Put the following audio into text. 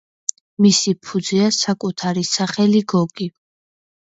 მისი ფუძეა საკუთარი სახელი გოგი.